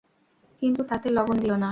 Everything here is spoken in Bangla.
কিন্তু তাতে লবণ দিওনা।